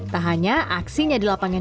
tak hanya aksinya di lapangan